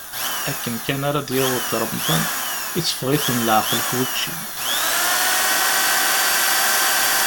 Akken kan ara d-yaweḍ remḍan, itteffeɣ-iten leɛqel ɣef učči.